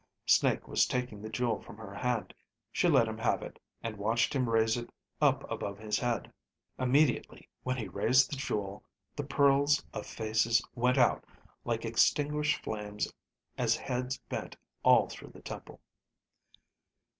Snake was taking the jewel from her hand. She let him have it, and watched him raise it up above his head. Immediately, when he raised the jewel, the pearls of faces went out like extinguished flames as heads bent all through the temple.